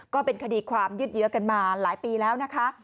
ก็เป็นคดีความยืดเยอะกันมาหลายปีแล้วนะคะ